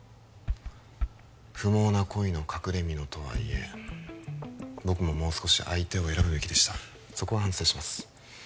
不毛な恋の隠れみのとはいえ僕ももう少し相手を選ぶべきでしたそこは反省します